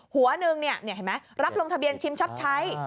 หัวหนึ่งเห็นไหมรับลงทะเบียนชิมช็อปใช้